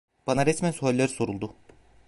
Bana resmen sualler soruldu.